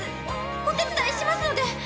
お手伝いしますので！